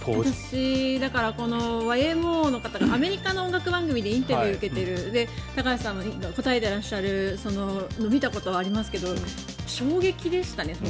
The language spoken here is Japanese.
私、このＹＭＯの方がアメリカの音楽番組でインタビューを受けていて高橋さんも答えてらっしゃるのを見たことがありますけど衝撃でしたね。